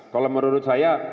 kalau menurut saya